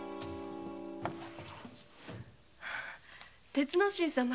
鉄之進様。